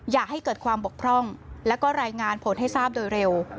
อย่าให้เกิดความบกพร่องแล้วก็รายงานผลให้ทราบโดยเร็ว